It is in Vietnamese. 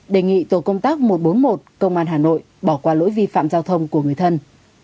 đề nghị tổ công tác một trăm bốn mươi một công an hà nội bỏ qua lỗi vi phạm giao thông của người thân